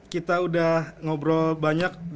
kita udah ngobrol banyak